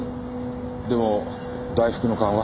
でも大福の勘は。